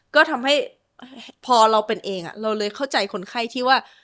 ก็ทำให้พอเราเป็นเองเราเลยเข้าใจคนไข้ที่ว่า